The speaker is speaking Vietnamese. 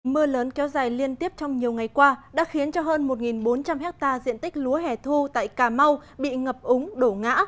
mưa lớn kéo dài liên tiếp trong nhiều ngày qua đã khiến cho hơn một bốn trăm linh hectare diện tích lúa hẻ thu tại cà mau bị ngập úng đổ ngã